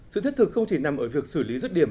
sự thiết thực không chỉ nằm ở việc xử lý rứt điểm